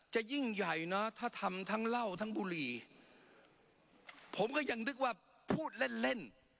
ยิ่งใหญ่นะถ้าทำทั้งเหล้าทั้งบุหรี่ผมก็ยังนึกว่าพูดเล่นเล่น